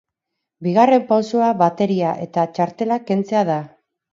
Bigarren pausoa bateria eta txartelak kentzea da.